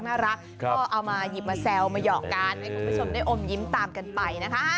ถึงเอามาหยิบมาแซวมาหยอกการให้ผู้ชมได้อมยิ้มตามกันไปนะคะ